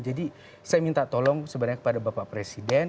jadi saya minta tolong sebenarnya kepada bapak presiden